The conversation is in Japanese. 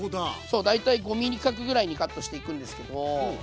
そう大体５ｍｍ角ぐらいにカットしていくんですけど。